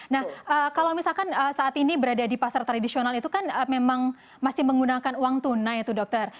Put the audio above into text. nah kalau misalkan saat ini berada di pasar tradisional itu kan memang masih menggunakan uang tunai itu dokter